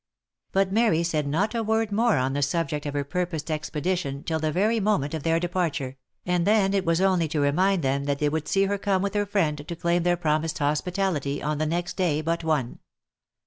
But Mary said not a word more on the subject of her purposed expe dition till the very moment of their departure, and then it was only to remind them that they would see her come with her friend to claim their promised hospitality on the next day but one.